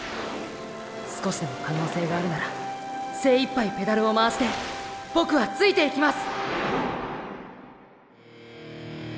少しでも可能性があるなら精一杯ペダルを回してボクはついていきます！